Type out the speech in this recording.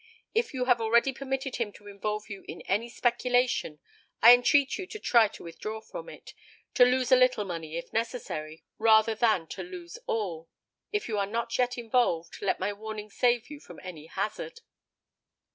If you have already permitted him to involve you in any speculation, I entreat you to try to withdraw from it to lose a little money, if necessary, rather than to lose all. If you are not yet involved, let my warning save you from any hazard."